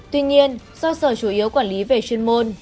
tuy nhiên do sở chủ yếu quản lý về chuyên môn